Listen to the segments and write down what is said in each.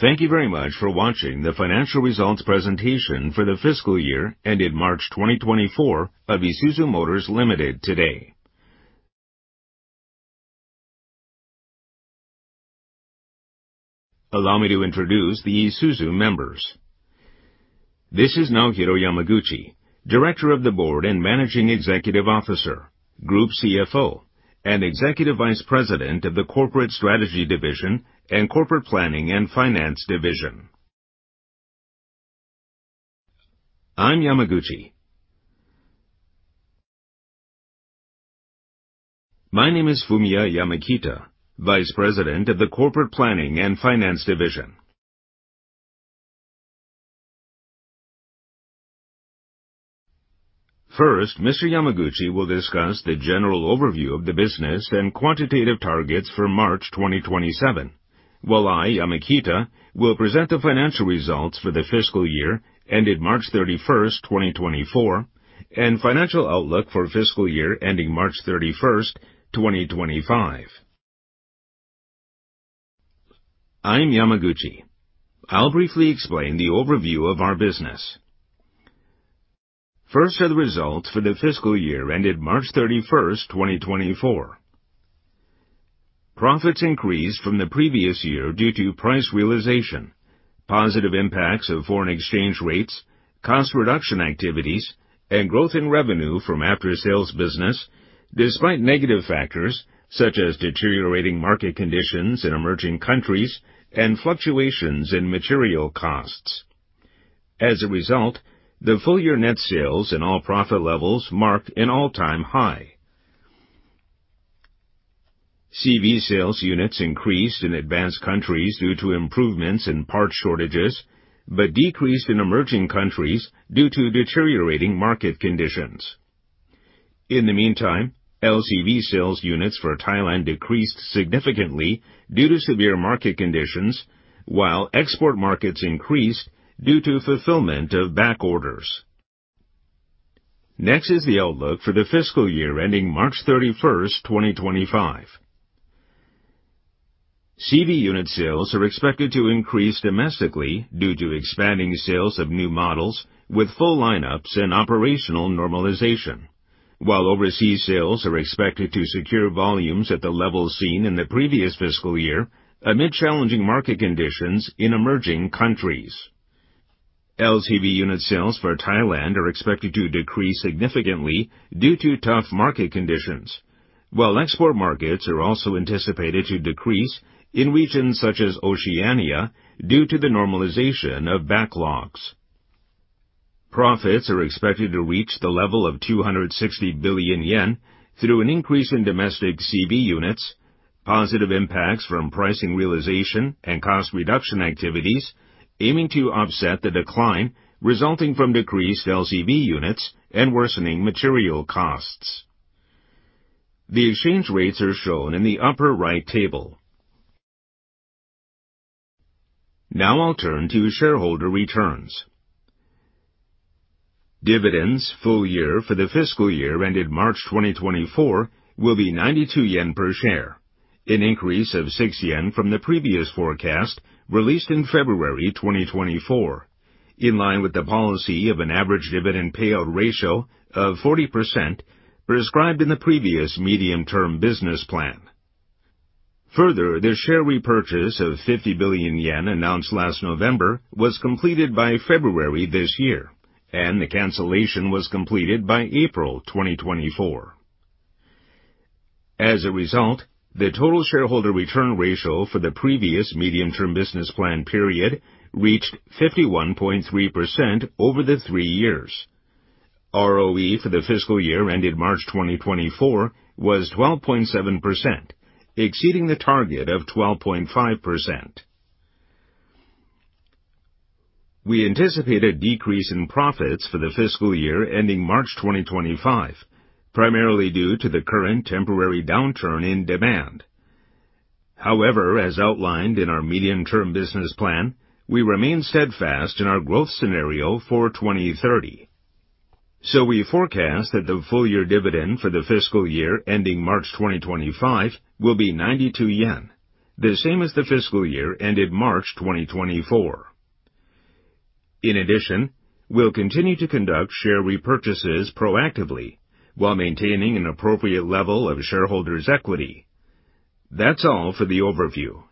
Thank you very much for watching the financial results presentation for the fiscal year ended March 2024 of Isuzu Motors Limited today. Allow me to introduce the Isuzu members. This is Naohiro Yamaguchi, Director of the Board and Managing Executive Officer, Group CFO, and Executive Vice President of the Corporate Strategy Division and Corporate Planning and Finance Division. I'm Yamaguchi. My name is Fumiya Yamakita, Vice President of the Corporate Planning and Finance Division. First, Mr. Yamaguchi will discuss the general overview of the business and quantitative targets for March 2027, while I, Yamakita, will present the financial results for the fiscal year ended March 31st, 2024, and financial outlook for fiscal year ending March 31st, 2025. I'm Yamaguchi. I'll briefly explain the overview of our business. First are the results for the fiscal year ended March 31st, 2024. Profits increased from the previous year due to price realization, positive impacts of foreign exchange rates, cost reduction activities, and growth in revenue from after-sales business despite negative factors such as deteriorating market conditions in emerging countries and fluctuations in material costs. As a result, the full-year net sales and all-profit levels marked an all-time high. CV sales units increased in advanced countries due to improvements in parts shortages but decreased in emerging countries due to deteriorating market conditions. In the meantime, LCV sales units for Thailand decreased significantly due to severe market conditions, while export markets increased due to fulfillment of back orders. Next is the outlook for the fiscal year ending March 31st, 2025. CV unit sales are expected to increase domestically due to expanding sales of new models with full lineups and operational normalization, while overseas sales are expected to secure volumes at the levels seen in the previous fiscal year amid challenging market conditions in emerging countries. LCV unit sales for Thailand are expected to decrease significantly due to tough market conditions, while export markets are also anticipated to decrease in regions such as Oceania due to the normalization of backlogs. Profits are expected to reach the level of 260 billion yen through an increase in domestic CV units, positive impacts from pricing realization and cost reduction activities aiming to offset the decline resulting from decreased LCV units and worsening material costs. The exchange rates are shown in the upper right table. Now I'll turn to shareholder returns. Dividends full year for the fiscal year ended March 2024 will be 92 yen per share, an increase of 6 yen from the previous forecast released in February 2024 in line with the policy of an average dividend payout ratio of 40% prescribed in the previous medium-term business plan. Further, the share repurchase of 50 billion yen announced last November was completed by February this year, and the cancellation was completed by April 2024. As a result, the total shareholder return ratio for the previous medium-term business plan period reached 51.3% over the three years. ROE for the fiscal year ended March 2024 was 12.7%, exceeding the target of 12.5%. We anticipate a decrease in profits for the fiscal year ending March 2025, primarily due to the current temporary downturn in demand. However, as outlined in our medium-term business plan, we remain steadfast in our growth scenario for 2030. We forecast that the full-year dividend for the fiscal year ending March 2025 will be 92 yen, the same as the fiscal year ended March 2024. In addition, we'll continue to conduct share repurchases proactively while maintaining an appropriate level of shareholders' equity. That's all for the overview.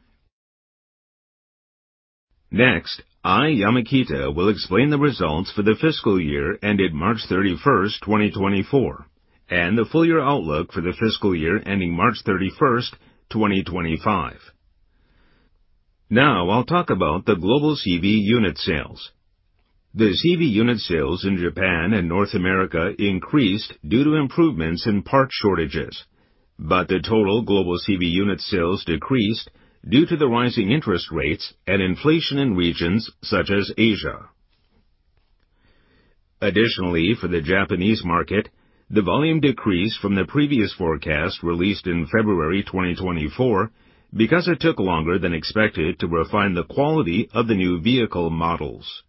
Next, I, Yamakita, will explain the results for the fiscal year ended March 31st, 2024, and the full-year outlook for the fiscal year ending March 31st, 2025. Now I'll talk about the global CV unit sales. The CV unit sales in Japan and North America increased due to improvements in parts shortages, but the total global CV unit sales decreased due to the rising interest rates and inflation in regions such as Asia. Additionally, for the Japanese market, the volume decreased from the previous forecast released in February 2024 because it took longer than expected to refine the quality of the new vehicle models.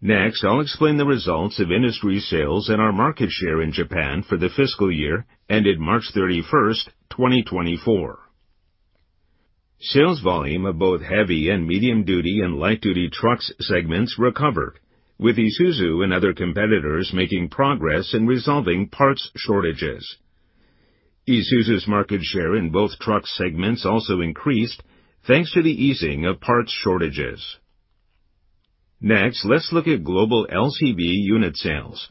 Next, I'll explain the results of industry sales and our market share in Japan for the fiscal year ended March 31st, 2024. Sales volume of both heavy and medium-duty and light-duty trucks segments recovered, with Isuzu and other competitors making progress in resolving parts shortages. Isuzu's market share in both truck segments also increased thanks to the easing of parts shortages. Next, let's look at global LCV unit sales.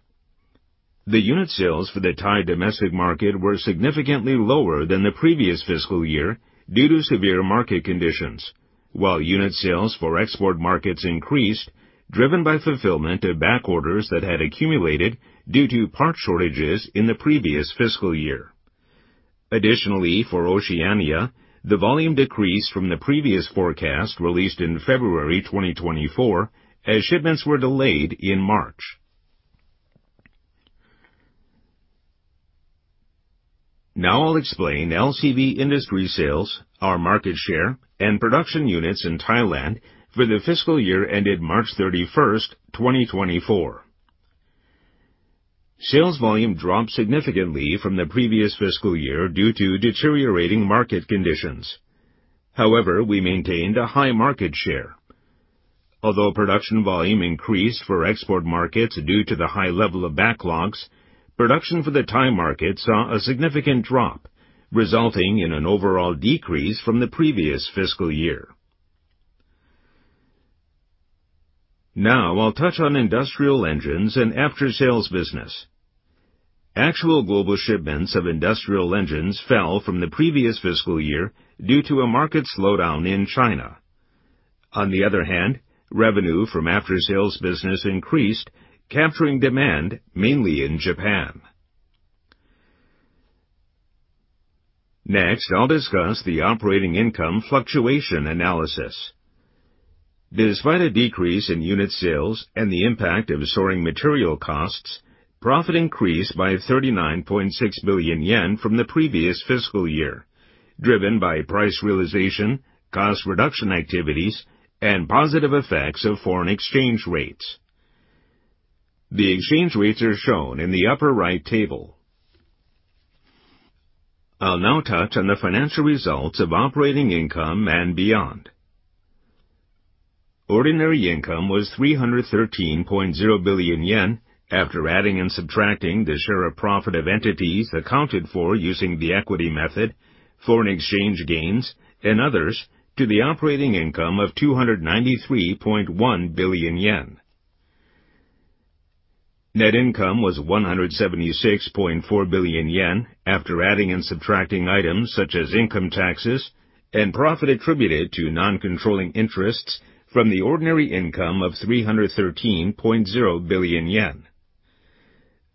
The unit sales for the Thai domestic market were significantly lower than the previous fiscal year due to severe market conditions, while unit sales for export markets increased driven by fulfillment of back orders that had accumulated due to parts shortages in the previous fiscal year. Additionally, for Oceania, the volume decreased from the previous forecast released in February 2024 as shipments were delayed in March. Now I'll explain LCV industry sales, our market share, and production units in Thailand for the fiscal year ended March 31st, 2024. Sales volume dropped significantly from the previous fiscal year due to deteriorating market conditions. However, we maintained a high market share. Although production volume increased for export markets due to the high level of backlogs, production for the Thai market saw a significant drop, resulting in an overall decrease from the previous fiscal year. Now I'll touch on industrial engines and after-sales business. Actual global shipments of industrial engines fell from the previous fiscal year due to a market slowdown in China. On the other hand, revenue from after-sales business increased, capturing demand mainly in Japan. Next, I'll discuss the operating income fluctuation analysis. Despite a decrease in unit sales and the impact of soaring material costs, profits increased by 39.6 billion yen from the previous fiscal year driven by price realization, cost reduction activities, and positive effects of foreign exchange rates. The exchange rates are shown in the upper right table. I'll now touch on the financial results of operating income and beyond. Ordinary income was 313.0 billion yen after adding and subtracting the share of profit of entities accounted for using the equity method, foreign exchange gains, and others to the operating income of 293.1 billion yen. Net income was 176.4 billion yen after adding and subtracting items such as income taxes and profit attributed to non-controlling interests from the ordinary income of 313.0 billion yen.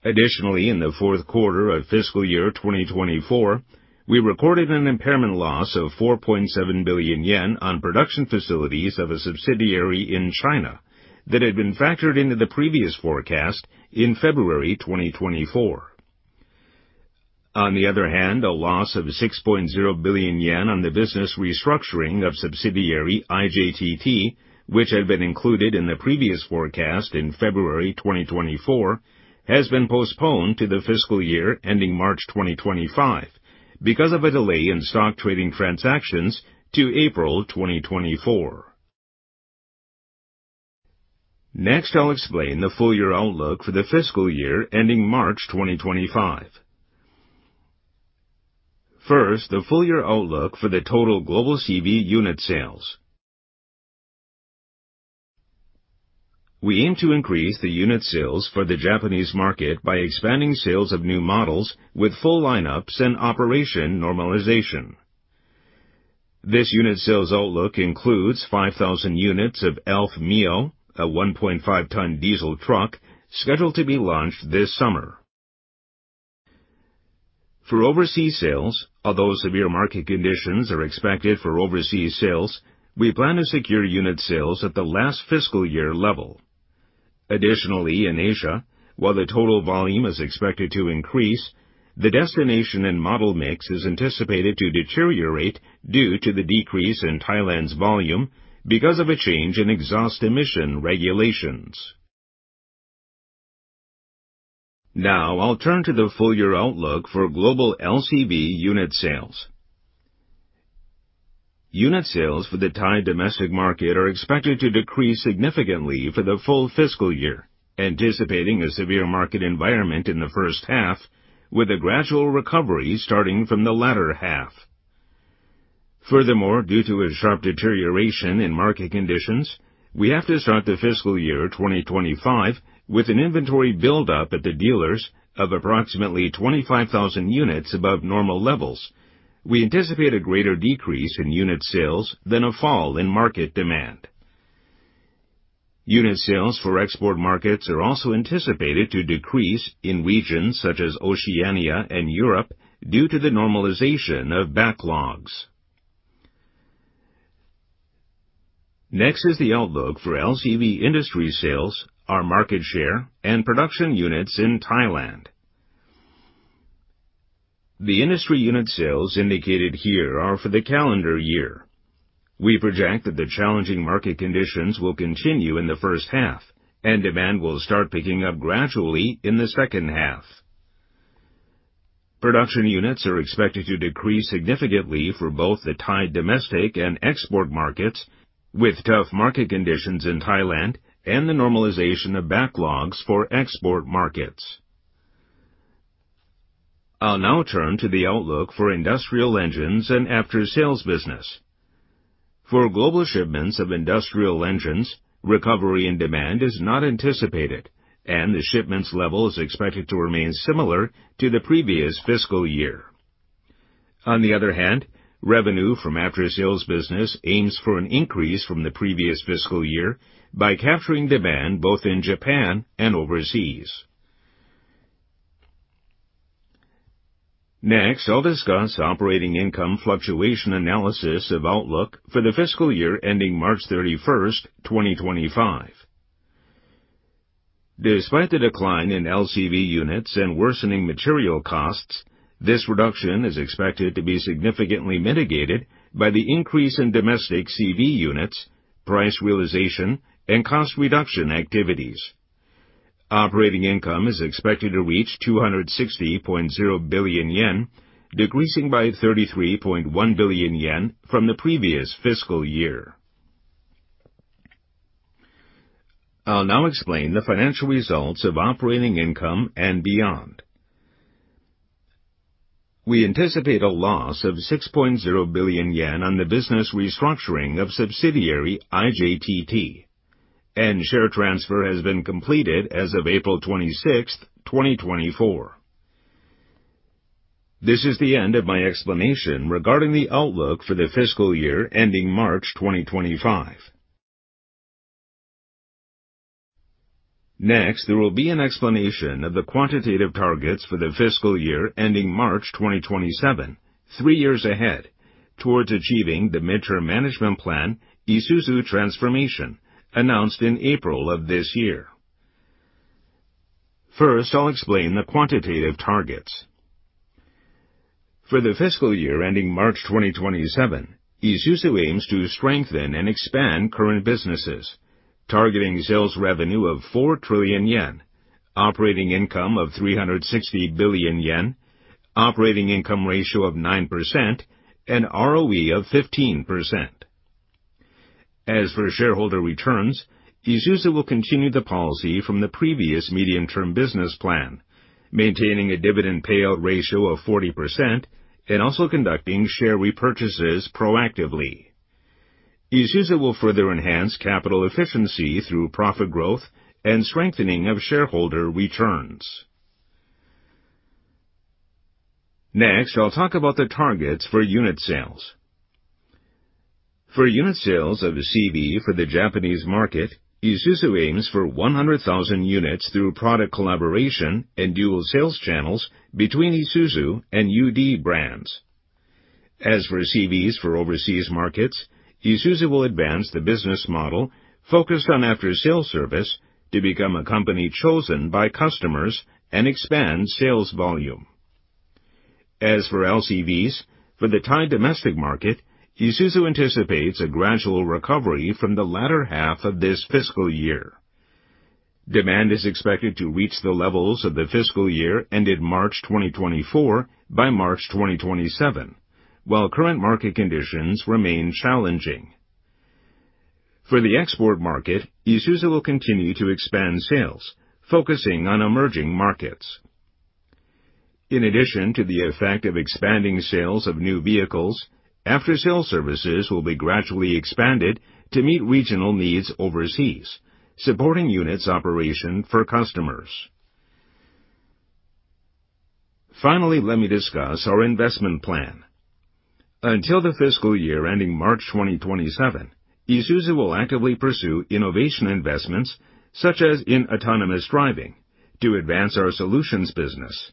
Additionally, in the fourth quarter of fiscal year 2024, we recorded an impairment loss of 4.7 billion yen on production facilities of a subsidiary in China that had been factored into the previous forecast in February 2024. On the other hand, a loss of 6.0 billion yen on the business restructuring of subsidiary IJTT, which had been included in the previous forecast in February 2024, has been postponed to the fiscal year ending March 2025 because of a delay in stock trading transactions to April 2024. Next, I'll explain the full-year outlook for the fiscal year ending March 2025. First, the full-year outlook for the total global CV unit sales. We aim to increase the unit sales for the Japanese market by expanding sales of new models with full lineups and operation normalization. This unit sales outlook includes 5,000 units of ELFmio, a 1.5-ton diesel truck scheduled to be launched this summer. For overseas sales, although severe market conditions are expected for overseas sales, we plan to secure unit sales at the last fiscal year level. Additionally, in Asia, while the total volume is expected to increase, the destination and model mix is anticipated to deteriorate due to the decrease in Thailand's volume because of a change in exhaust emission regulations. Now I'll turn to the full-year outlook for global LCV unit sales. Unit sales for the Thai domestic market are expected to decrease significantly for the full fiscal year, anticipating a severe market environment in the first half with a gradual recovery starting from the latter half. Furthermore, due to a sharp deterioration in market conditions, we have to start the fiscal year 2025 with an inventory buildup at the dealers of approximately 25,000 units above normal levels. We anticipate a greater decrease in unit sales than a fall in market demand. Unit sales for export markets are also anticipated to decrease in regions such as Oceania and Europe due to the normalization of backlogs. Next is the outlook for LCV industry sales, our market share, and production units in Thailand. The industry unit sales indicated here are for the calendar year. We project that the challenging market conditions will continue in the first half, and demand will start picking up gradually in the second half. Production units are expected to decrease significantly for both the Thai domestic and export markets with tough market conditions in Thailand and the normalization of backlogs for export markets. I'll now turn to the outlook for industrial engines and after-sales business. For global shipments of industrial engines, recovery in demand is not anticipated, and the shipments level is expected to remain similar to the previous fiscal year. On the other hand, revenue from after-sales business aims for an increase from the previous fiscal year by capturing demand both in Japan and overseas. Next, I'll discuss operating income fluctuation analysis of outlook for the fiscal year ending March 31st, 2025. Despite the decline in LCV units and worsening material costs, this reduction is expected to be significantly mitigated by the increase in domestic CV units, price realization, and cost reduction activities. Operating income is expected to reach 260.0 billion yen, decreasing by 33.1 billion yen from the previous fiscal year. I'll now explain the financial results of operating income and beyond. We anticipate a loss of 6.0 billion yen on the business restructuring of subsidiary IJTT, and share transfer has been completed as of April 26th, 2024. This is the end of my explanation regarding the outlook for the fiscal year ending March 2025. Next, there will be an explanation of the quantitative targets for the fiscal year ending March 2027, three years ahead, towards achieving the midterm management plan Isuzu Transformation announced in April of this year. First, I'll explain the quantitative targets. For the fiscal year ending March 2027, Isuzu aims to strengthen and expand current businesses, targeting sales revenue of 4 trillion yen, operating income of 360 billion yen, operating income ratio of 9%, and ROE of 15%. As for shareholder returns, Isuzu will continue the policy from the previous medium-term business plan, maintaining a dividend payout ratio of 40% and also conducting share repurchases proactively. Isuzu will further enhance capital efficiency through profit growth and strengthening of shareholder returns. Next, I'll talk about the targets for unit sales. For unit sales of CV for the Japanese market, Isuzu aims for 100,000 units through product collaboration and dual sales channels between Isuzu and UD brands. As for CVs for overseas markets, Isuzu will advance the business model focused on after-sales service to become a company chosen by customers and expand sales volume. As for LCVs, for the Thai domestic market, Isuzu anticipates a gradual recovery from the latter half of this fiscal year. Demand is expected to reach the levels of the fiscal year ended March 2024 by March 2027 while current market conditions remain challenging. For the export market, Isuzu will continue to expand sales, focusing on emerging markets. In addition to the effect of expanding sales of new vehicles, after-sales services will be gradually expanded to meet regional needs overseas, supporting units operation for customers. Finally, let me discuss our investment plan. Until the fiscal year ending March 2027, Isuzu will actively pursue innovation investments such as in autonomous driving to advance our solutions business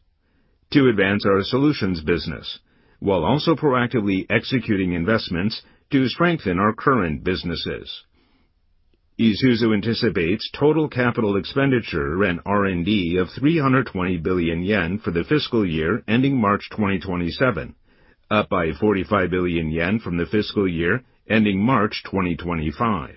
while also proactively executing investments to strengthen our current businesses. Isuzu anticipates total capital expenditure and R&D of 320 billion yen for the fiscal year ending March 2027, up by 45 billion yen from the fiscal year ending March 2025.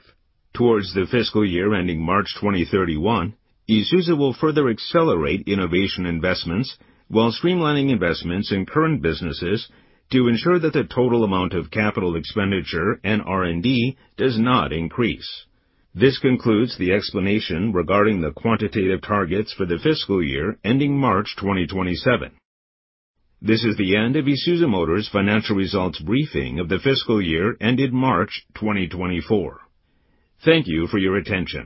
Towards the fiscal year ending March 2031, Isuzu will further accelerate innovation investments while streamlining investments in current businesses to ensure that the total amount of capital expenditure and R&D does not increase. This concludes the explanation regarding the quantitative targets for the fiscal year ending March 2027. This is the end of Isuzu Motors' financial results briefing of the fiscal year ended March 2024. Thank you for your attention.